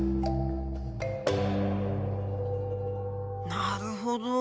なるほど。